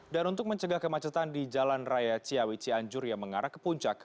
dan untuk mencegah kemacetan di jalan raya ciawi cianjur yang mengarah ke puncak